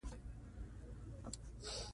نفت د افغانستان د ځمکې د جوړښت نښه ده.